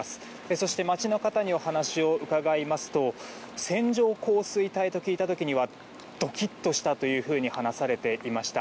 そして、街の方にお話を伺いますと線状降水帯と聞いた時にはドキッとしたというふうに話されていました。